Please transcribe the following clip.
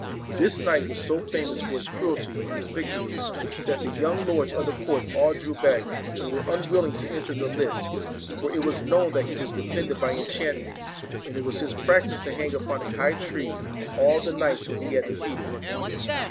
This knight was so famous for his cruelty and his victories, that the young lords of the court all drew back, and were unwill ing to enter the lists; for it was known that he was defended by enchantment, and it was his practice to hang upon a high tree all the knights whom he had defeated.